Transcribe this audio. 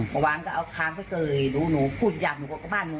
ประวัตรหนูก็เอาค้างไปเกยดูหนูพูดอย่างหนูก็ออกไปบ้านหนู